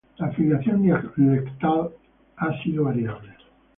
La filiación dialectal ha sido variable.